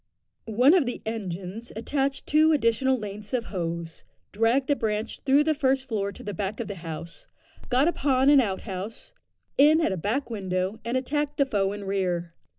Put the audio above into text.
One of the engines attached two additional lengths of hose, dragged the branch through the first floor to the back of the house, got upon an outhouse, in at a back window, and attacked the foe in rear.